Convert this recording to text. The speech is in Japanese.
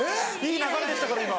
いい流れでしたから今。